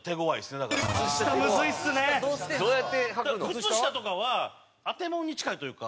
靴下とかはあてもんに近いというか。